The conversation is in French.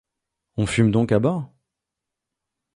On fume donc à bord ?